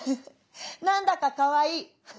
何だかかわいい」。